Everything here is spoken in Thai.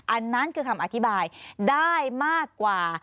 อันนั้นคือคำอธิบายได้มากกว่า